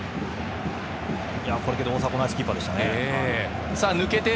大迫ナイスキーパーでしたね。